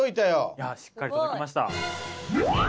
いやしっかり届きました。